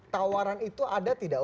tawaran itu ada tidak